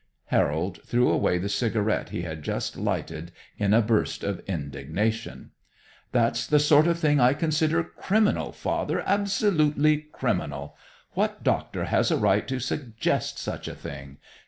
Harold threw away the cigarette he had just lighted in a burst of indignation. "That's the sort of thing I consider criminal, Father, absolutely criminal! What doctor has a right to suggest such a thing?